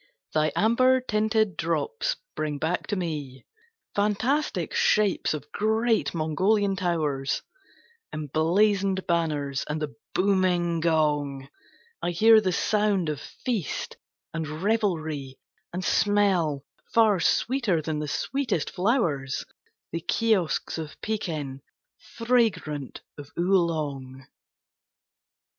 Thy amber tinted drops bring back to me Fantastic shapes of great Mongolian towers, Emblazoned banners, and the booming gong; I hear the sound of feast and revelry, And smell, far sweeter than the sweetest flowers, The kiosks of Pekin, fragrant of Oolong!